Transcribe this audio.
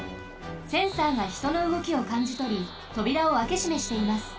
センサーがひとのうごきをかんじとりとびらをあけしめしています。